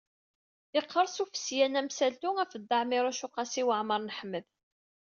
Iqqerṣ ufesyan amsaltu ɣef Dda Ɛmiiruc u Qasi Waɛmer n Ḥmed.